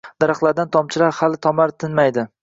Daraxtlardan tomchilar hali tomar tinmaydi.